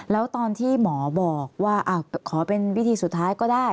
แล้วตอนที่หมอบอกว่าขอเป็นวิธีสุดท้ายก็ได้